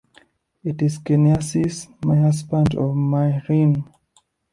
It is Kinesias, the husband of Myrrhine.